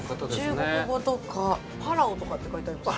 中国語とかパラオとかって書いてありますね。